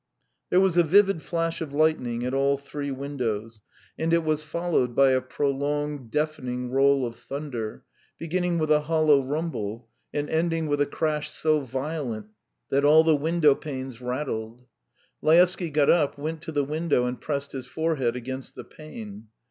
There was a vivid flash of lightning at all three windows, and it was followed by a prolonged, deafening roll of thunder, beginning with a hollow rumble and ending with a crash so violent that all the window panes rattled. Laevsky got up, went to the window, and pressed his forehead against the pane.